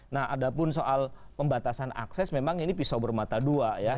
nah ada pun soal pembatasan akses memang ini pisau bermata dua ya